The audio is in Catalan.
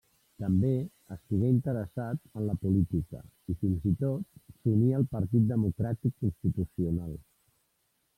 També estigué interessat en la política, i fins i tot s'uní al Partit Democràtic Constitucional.